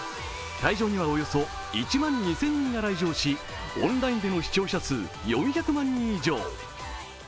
会場にはおよそ１万２０００人が来場し、オンラインでの視聴者数４００万人以上。